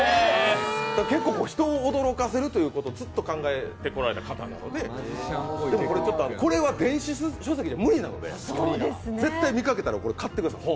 人を驚かせるということをずっと考えてこられた方なのでこれは電子書籍じゃ無理なので絶対見かけたら、本を買ってください。